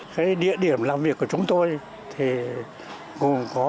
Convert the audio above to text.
cái địa điểm làm việc của chúng tôi thì cũng có